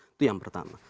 itu yang pertama